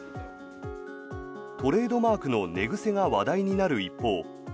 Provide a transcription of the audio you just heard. トレードマークの寝癖が話題になる一方